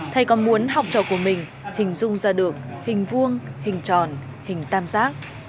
thầy còn muốn học trò của mình hình dung ra được hình vuông hình tròn hình tam giác